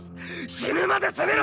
死ぬまで攻めろ！